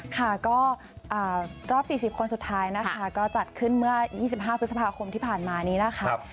ค่ะก็รอบ๔๐คนสุดท้ายนะคะก็จัดขึ้นเมื่อ๒๕พฤษภาคมที่ผ่านมานี้นะคะ